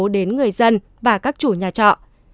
đến người dân và các chủ nhà trọ